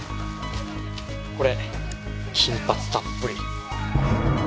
これ金髪たっぷり。